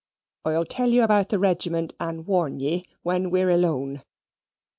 I'll tell you about the regiment, and warn you when we're alone.